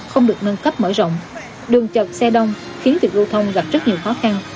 không được nâng cấp mở rộng đường chật xe đông khiến việc lưu thông gặp rất nhiều khó khăn